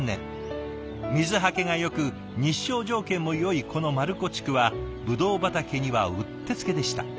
水はけがよく日照条件もよいこの丸子地区はブドウ畑にはうってつけでした。